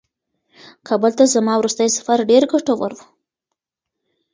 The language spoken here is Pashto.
کابل ته زما وروستی سفر ډېر ګټور و.